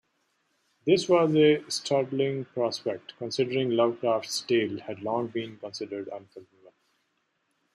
This was a startling prospect considering Lovecraft's tale had long been considered unfilmable.